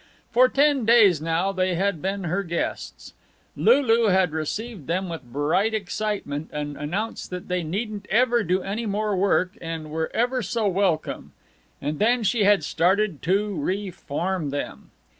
For ten days now they had been her guests. Lulu had received them with bright excitement and announced that they needn't ever do any more work, and were ever so welcome and then she had started to reform them.